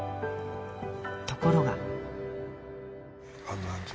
ところが。